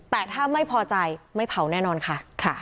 แต่ถ้าไม่พอใจไม่เผาแน่นอนค่ะ